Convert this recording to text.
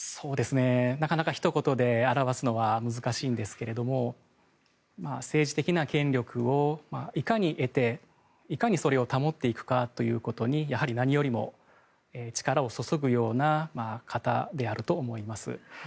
なかなかひと言で表すのは難しいんですけども政治的な権力をいかに得ていかにそれを保っていくかということにやはり何よりも力を注ぐような方であると思います。